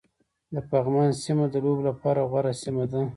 د پغمان سيمه د لوبو لپاره غوره سيمه ده